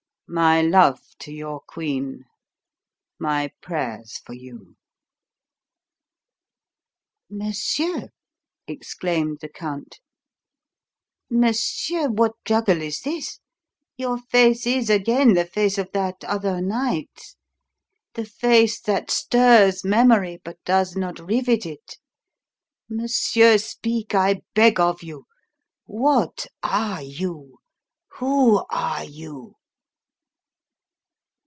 My love to your Queen my prayers for you." "Monsieur!" exclaimed the Count, "monsieur, what juggle is this? Your face is again the face of that other night the face that stirs memory yet does not rivet it. Monsieur, speak, I beg of you. What are you? Who are you?"